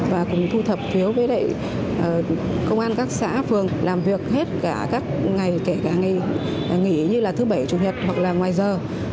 và cùng thu thập phiếu với công an các xã phường làm việc hết cả các ngày kể cả ngày nghỉ như là thứ bảy chủ nhật hoặc là ngoài giờ